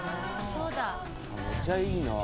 めっちゃいいなあ。